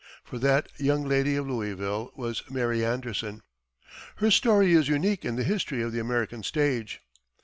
For that "young lady of Louisville" was Mary Anderson. Her story is unique in the history of the American stage.